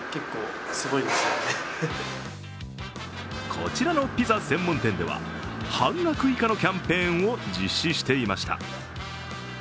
こちらのピザ専門店では半額以下のキャンペーンを実施していました。